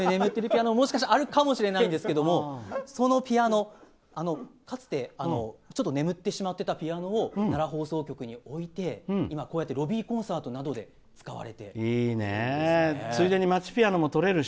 眠ってるピアノあるかもしれませんがそのピアノ、かつてちょっと眠ってしまっていたピアノを奈良放送局に置いて今、こうやってロビーコンサートなどで使われているんです。